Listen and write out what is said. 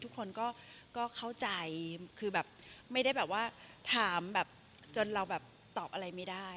ทุกคนก็เข้าใจคือแบบไม่ได้แบบว่าถามแบบจนเราแบบตอบอะไรไม่ได้